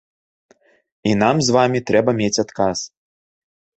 І нам з вамі трэба мець адказ.